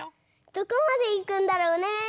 どこまでいくんだろうね？